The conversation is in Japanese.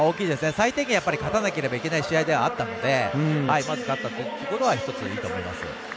最低限、勝たなければいけない試合だったのでまず勝ったというところはいいと思います。